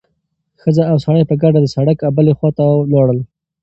ښځه او سړی په ګډه د سړک بلې خوا ته لاړل.